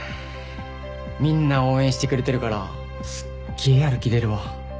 みんな応援してくれてるからすっげえやる気出るわ。